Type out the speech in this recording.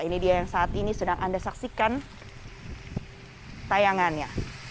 ini dia yang saat ini sedang anda saksikan tayangannya